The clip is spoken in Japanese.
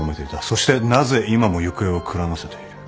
そしてなぜ今も行方をくらませている？